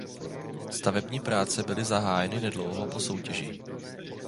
Stavební práce byly zahájeny nedlouho po soutěži.